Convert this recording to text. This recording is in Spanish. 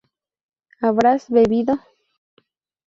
¿habrás bebido?